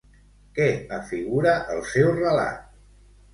Què afigura el seu relat?